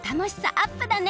アップだね。